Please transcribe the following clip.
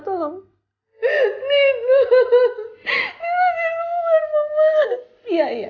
sadar ini udah tengah malem na